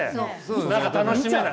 なんか楽しめない。